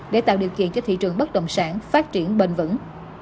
để tạo điều kiện cho thị trường bất động sản phát triển bền vững